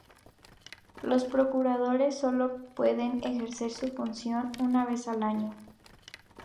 Los procuradores solo pueden ejercer su función una vez al año.